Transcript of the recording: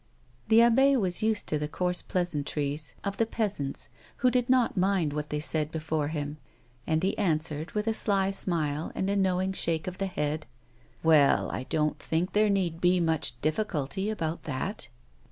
The abbe was used to the coarse pleasantries of the peasants, who did not mind what they said before him, and he answered, with a sly smile and a knowing shake of the head ;" Well, I don't think there need be much difficulty about that.'